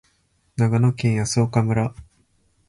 長野県泰阜村